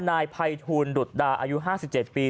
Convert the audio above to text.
นายภัยทูลดุดดาอายุ๕๗ปี